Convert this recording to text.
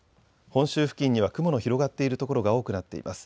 本州付近には雲の広がっている所が多くなっています。